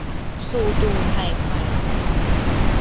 速度太快了